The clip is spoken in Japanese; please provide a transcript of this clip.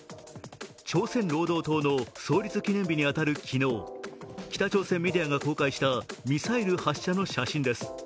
朝鮮労働党の創立記念日に当たる昨日北朝鮮メディアが公開したミサイル発射の写真です。